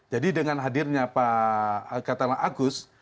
jadi dengan hadirnya pak katana agus